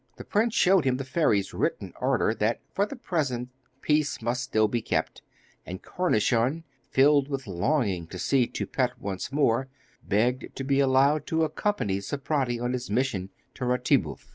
The prince showed him the fairy's written order that for the present peace must still be kept, and Cornichon, filled with longing to see Toupette once more, begged to be allowed to accompany Zeprady on his mission to Ratibouf.